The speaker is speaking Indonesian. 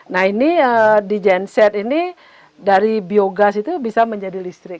nah ini di genset ini dari biogas itu bisa menjadi listrik